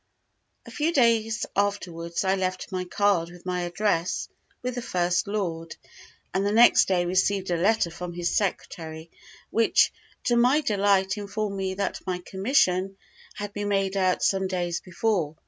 A few days afterwards I left my card with my address with the First Lord, and the next day received a letter from his secretary, which, to my delight, informed me that my commission had been made out some days before.